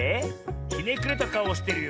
ひねくれたかおをしてるよ。